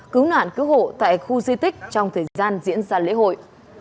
cứu nạn cứu hộ tại khu di tích trong thời gian diễn ra lễ hội